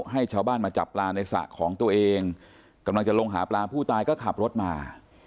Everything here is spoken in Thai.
ให้ชาวบ้านมาจับปลาในสระของตัวเองกำลังจะลงหาปลาผู้ตายก็ขับรถมา